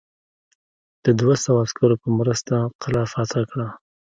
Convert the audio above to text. د دوه سوه عسکرو په مرسته قلا فتح کړه.